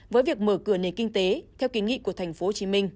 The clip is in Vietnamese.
với việc mở cửa nền kinh tế theo kiến nghị của tp hcm